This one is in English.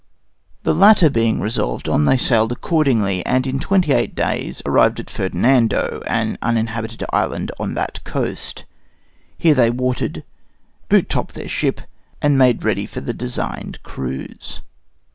The latter being resolved on, they sailed accordingly, and in twenty eight days arrived at Ferdinando, an uninhabited island on that coast. Here they watered, boot topped their ship, and made ready for the designed cruise.